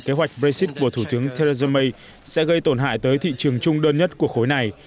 kế hoạch brexit của thủ tướng theresa may sẽ gây tổn hại tới thị trường chung đơn nhất của khối này